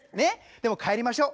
でも帰りましょう。